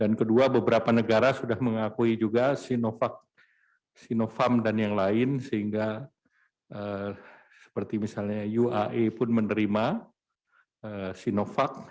dan kedua beberapa negara sudah mengakui juga sinovac sinovac dan yang lain sehingga seperti misalnya uae pun menerima sinovac